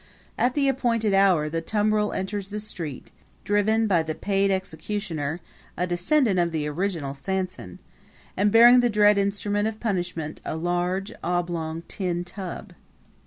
At the appointed hour the tumbrel enters the street, driven by the paid executioner a descendant of the original Sanson and bearing the dread instrument of punishment, a large oblong tin tub.